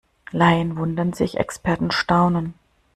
Laien wundern sich, Experten staunen.